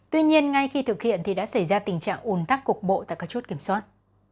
tuy nhiên ngay khi thực hiện thì đã xảy ra tình trạng ủn tắc cục bộ tại các chốt kiểm soát